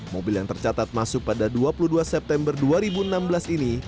mobil yang tercatat masuk pada dua puluh dua september dua ribu enam belas ini